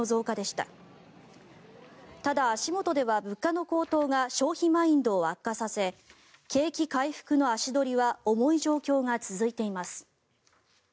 ただ、足元では物価の高騰が消費マインドを悪化させ景気回復の足取りは重い状況が続いています。